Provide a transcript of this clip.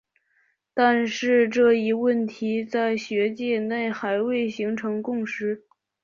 但是这一问题在学界内还未形成共识。